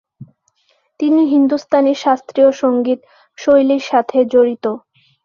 তিনি হিন্দুস্তানি শাস্ত্রীয় সংগীত শৈলীর সাথে জড়িত।